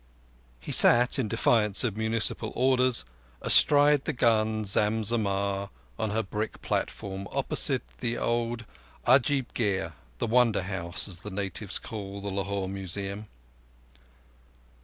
He sat, in defiance of municipal orders, astride the gun Zam Zammah on her brick platform opposite the old Ajaib Gher—the Wonder House, as the natives call the Lahore Museum.